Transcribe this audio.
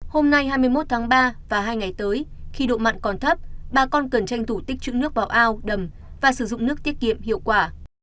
hôm nay hai mươi một tháng ba và hai ngày tới khi độ mặn còn thấp bà con cần tranh thủ tích chữ nước vào ao đầm và sử dụng nước tiết kiệm hiệu quả